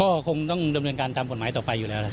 ก็คงต้องดำเนินการทำผลหมายต่อไปอยู่แล้ว